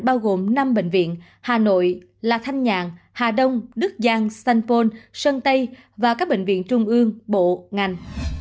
bao gồm năm bệnh viện hà nội lạc thanh nhạng hà đông đức giang sanfone sơn tây và các bệnh viện trung ương bộ ngành